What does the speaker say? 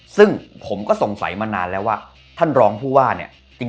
ซึ่งผมก็สงสัยมานานแล้วว่าท่านรองผู้ว่าเนี่ย